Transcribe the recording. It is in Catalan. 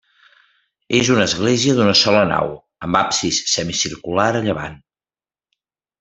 És una església d'una sola nau, amb absis semicircular a llevant.